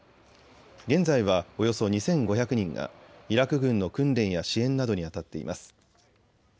現在はおよそ２５００人がイラク軍の訓練や支援などにあたっています。